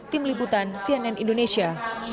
tim liputan cnn indonesia